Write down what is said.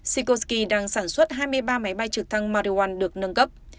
sikorsky đang sản xuất hai mươi ba máy bay trực thăng marine one được nâng cấp